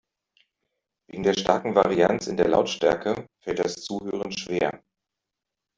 Wegen der starken Varianz in der Lautstärke fällt das Zuhören schwer.